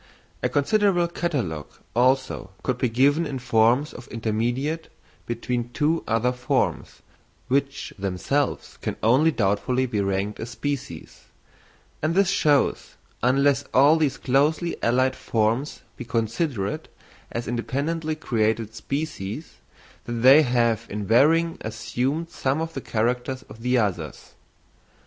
A considerable catalogue, also, could be given of forms intermediate between two other forms, which themselves can only doubtfully be ranked as species; and this shows, unless all these closely allied forms be considered as independently created species, that they have in varying assumed some of the characters of the others.